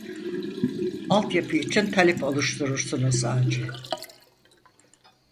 Alt yapı için talep oluşturursunuz acil